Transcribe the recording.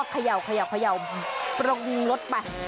เขย่าปรงรถไป